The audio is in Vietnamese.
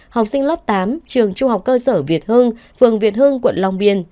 học sinh lớp tám trường trung học cơ sở việt hương phường việt hưng quận long biên